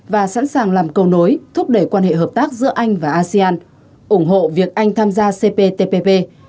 và sẵn sàng làm cầu nối thúc đẩy quan hệ hợp tác giữa anh và asean ủng hộ việc anh tham gia cptpp